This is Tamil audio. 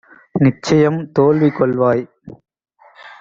நிச்சயம் தோல்விகொள்வாய்!